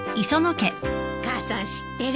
母さん知ってる？